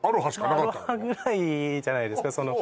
まあアロハぐらいじゃないですか